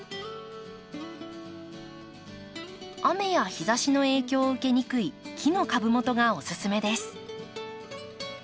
雨や日ざしの影響を受けにくい木の株元がおすすめです。